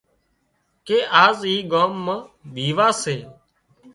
ڪي آز اِي ڳام مان ويواه سي